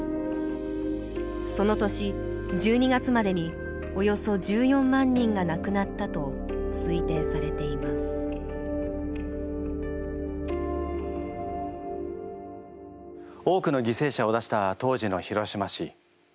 その年１２月までにおよそ１４万人がなくなったと推定されています多くの犠牲者を出した当時の広島市。